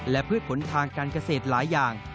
และพืชผลทางการเกษตรหลายอย่าง